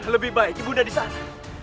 lebih baik ibu unda di sana